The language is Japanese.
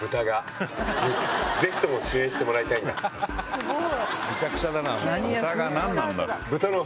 すごい！